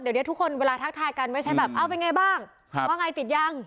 เดี๋ยวนี้ทุกคนเวลาทักทายกันไม่ใช่แบบเอาเป็นไงบ้างว่าไงติดยัง